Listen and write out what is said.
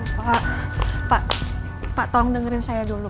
pak tolong dengerin saya dulu